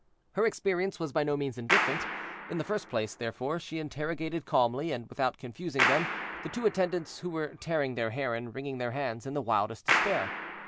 Her experience was by no means indifferent; in the first place, therefore, she interrogated calmly, and without confusing them, the two attendants, who were tearing their hair and wringing their hands in the wildest despair.